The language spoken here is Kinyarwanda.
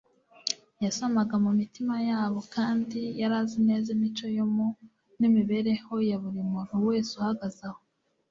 Yasomaga mu mitima yabo, kandi yari azi neza imico yo mu n:ibereho ya buri muntu wese uhagaze aho.